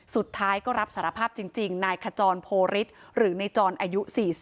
สุดท้ายก็รับสารภาพจริงนายขจรโพฤทธิ์หรือในจรอายุ๔๐